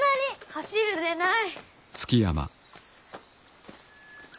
走るでない。